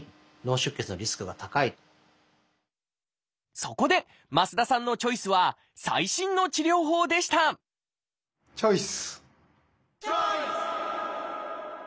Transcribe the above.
そこで増田さんのチョイスは最新の治療法でしたチョイス！